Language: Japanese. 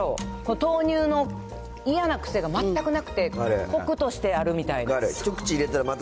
豆乳の嫌な癖が全くなくて、こくとしてあるみたいな。